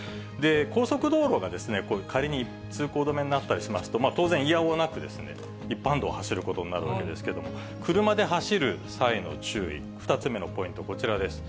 高速道路が仮に通行止めになったりしますと、当然、いやおうなく一般道を走ることになるわけですけれども、車で走る際の注意、２つ目のポイント、こちらです。